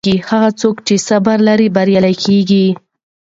هغه څوک چې صبر لري بریالی کیږي.